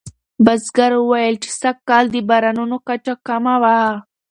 بزګر وویل چې سږکال د بارانونو کچه کمه وه.